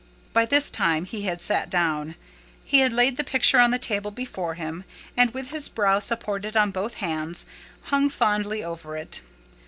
By this time he had sat down: he had laid the picture on the table before him, and with his brow supported on both hands, hung fondly over it.